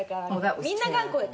みんな頑固だ。